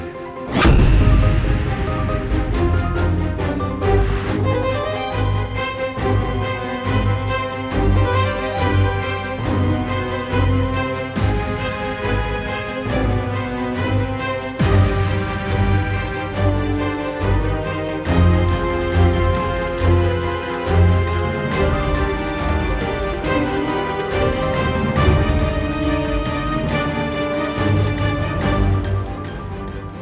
aku mau pergi